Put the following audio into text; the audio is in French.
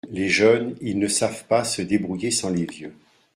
Les jeunes ils ne savent pas se débrouiller sans les vieux